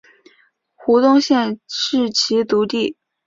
胡宗宪是其族弟。